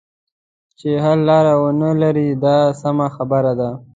چې حل لاره ونه لري دا سمه خبره ده.